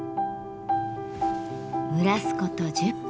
蒸らすこと１０分。